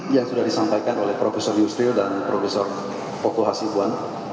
yang sudah disampaikan oleh prof yusril dan prof toko hasibuan